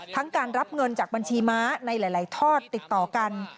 การรับเงินจากบัญชีม้าในหลายทอดติดต่อกัน